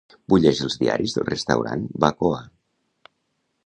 Vull llegir els diaris del restaurant Bacoa.